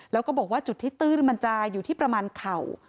แล้วก็บอกว่าจุดที่ตื้นมันจะอยู่ที่ประมาณเข่า